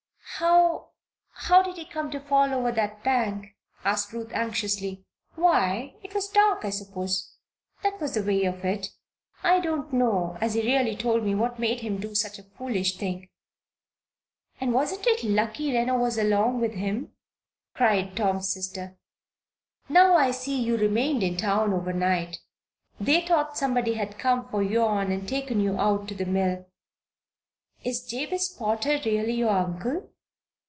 "How how did he come to fall over that bank?" asked Ruth, anxiously. "Why it was dark, I suppose. That was the way of it. I don't know as he really told me what made him do such a foolish thing. And wasn't it lucky Reno was along with him?" cried Tom's sister. "Now, I see you remained in town over night. They thought somebody had come for yon and taken you out to the mill. Is Jabez Potter really your uncle?"